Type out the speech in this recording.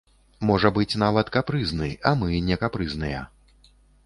Можа быць нават капрызны, а мы не капрызныя.